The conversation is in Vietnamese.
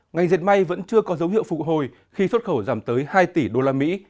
ngành diệt may vẫn chưa có dấu hiệu phục hồi khi xuất khẩu giảm tới hai tỷ usd